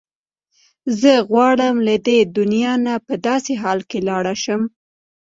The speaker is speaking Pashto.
زه غواړم له دې دنیا نه په داسې حال کې لاړه شم.